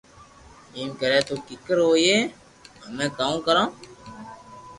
ايم ڪري تو ڪيڪر ھوئئي ھمو ڪاو ڪرو